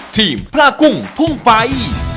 ทีมพลากุ้งพุ่งไป